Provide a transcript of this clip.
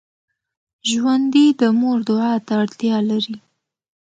ژوندي د مور دعا ته اړتیا لري